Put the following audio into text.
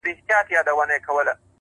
غواړم چي ديدن د ښكلو وكړمـــه؛